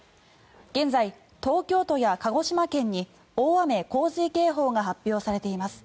現在、東京都や鹿児島県に大雨・洪水警報が発表されています。